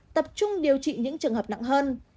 tập trung điều trị những trường hợp nặng hơn